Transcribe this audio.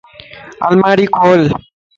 الماري کول